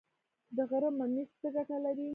د غره ممیز څه ګټه لري؟